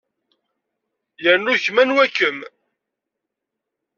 Yernu kemm anwa-kem?